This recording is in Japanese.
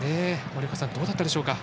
森岡さん、どうだったでしょうか。